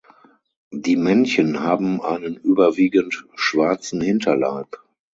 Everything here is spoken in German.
Die Männchen haben einen überwiegend schwarzen Hinterleib.